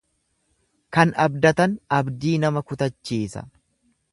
Kan abdatan abdii nama kutachiisa.